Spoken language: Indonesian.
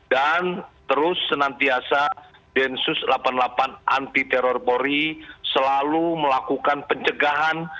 dan terus senantiasa densus delapan puluh delapan anti teror polri selalu melakukan pencegahan